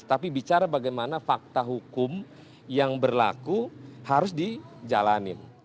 tapi bicara bagaimana fakta hukum yang berlaku harus dijalanin